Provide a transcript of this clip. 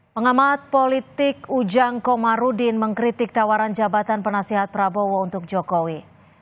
pengamat politik ujang komarudin mengkritik tawaran jabatan penasehat prabowo untuk jokowi